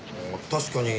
確かに。